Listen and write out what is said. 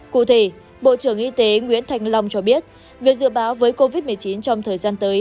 cụ thể bộ trưởng y tế nguyễn thành long cho biết việc dự báo với covid một mươi chín trong thời gian tới